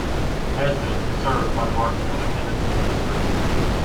Nesbitt is served by the Marshall Independent School District.